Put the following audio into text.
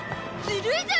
ずるいぞ！